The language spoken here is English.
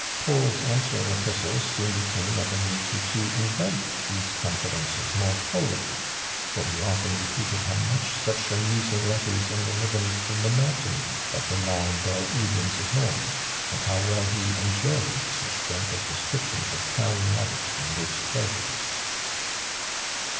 Paul's answering epistles soon becanto of a nature to invite these confidences more fully, for he often repeated how much such amusing letters •nlivened the monotony of the long dull evenings at home, and how well he ei\joyed such graphic descriptions of town life and its pleasures.